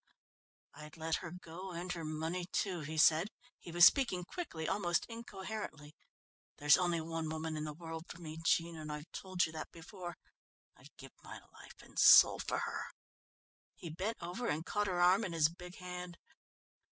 "I'd let her go and her money, too," he said. He was speaking quickly, almost incoherently. "There's only one woman in the world for me, Jean, and I've told you that before. I'd give my life and soul for her." He bent over, and caught her arm in his big hand.